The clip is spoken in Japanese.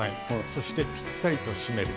そしてぴったりとしめる。